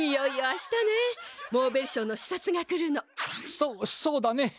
そそうだね。